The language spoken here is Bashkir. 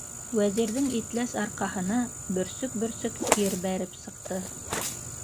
Вәзирҙең итләс арҡаһына бөрсөк-бөрсөк тир бәреп сыҡты.